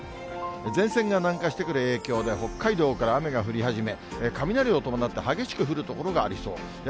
前線が南下してくる影響で、北海道から雨が降り始め、雷を伴って、激しく降る所がありそうですね。